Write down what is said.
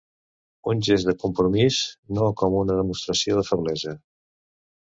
Un gest de compromís, no com una demostració de feblesa.